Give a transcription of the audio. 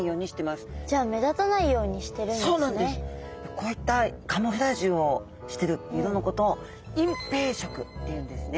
こういったカムフラージュをしてる色のことを隠蔽色っていうんですね。